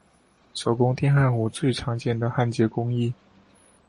手工电弧焊最常见的焊接工艺。